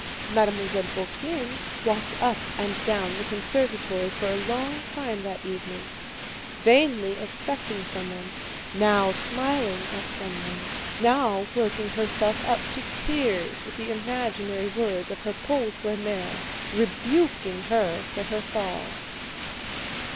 Mademoiselle Bourienne walked up and down the conservatory for a long time that evening, vainly expecting someone, now smiling at someone, now working herself up to tears with the imaginary words of her pauvre mère rebuking her for her fall.